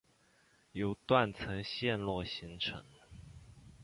由断层陷落形成。